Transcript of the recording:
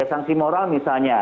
sanksi moral misalnya